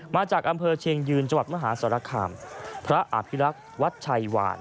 มาจากอำเภอเชียงยืนจังหวัดมหาสารคามพระอภิรักษ์วัดชัยวาน